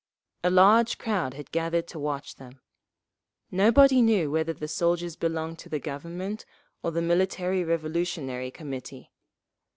A large crowd had gathered to watch them. Nobody knew whether the soldiers belonged to the Government or the Military Revolutionary Committee.